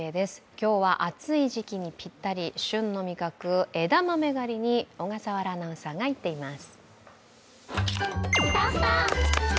今日は暑い時期にぴったり、旬の味覚、枝豆狩りに小笠原アナウンサーが行っています。